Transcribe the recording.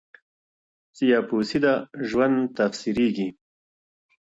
o سیاه پوسي ده، ژوند تفسیرېږي.